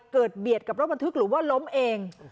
เบียดกับรถบรรทุกหรือว่าล้มเอง